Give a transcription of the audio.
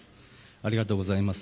ありがとうございます。